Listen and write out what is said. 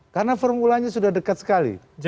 karena formulanya sudah dekat sekali